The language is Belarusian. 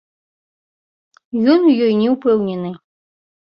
Ён у ёй не ўпэўнены.